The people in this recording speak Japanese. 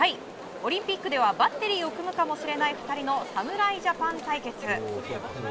オリンピックではバッテリーを組むかもしれない２人の侍ジャパン対決。